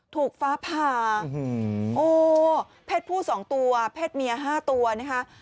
ถูกฟ้าผ่าโอ้เพศผู้๒ตัวเพศเมีย๕ตัวนะคะ